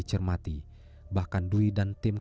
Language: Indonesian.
terdakwa kadang mengungkap afiliasinya